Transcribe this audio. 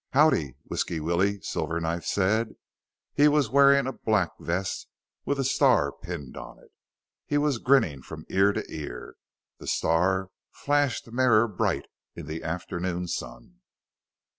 "Howdy," Whisky Willie Silverknife said. He was wearing a black vest with a star pinned on it. He was grinning from ear to ear. The star flashed mirror bright in the afternoon sun.